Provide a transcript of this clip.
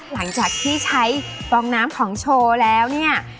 หลังจากที่ใช้กองน้ำของโชว์แล้วเนี่ย